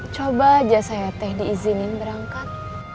coba aja saya teh diizinin berangkat